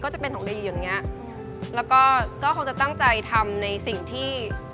เขาก็จะตั้งใจการทำมันต่อไป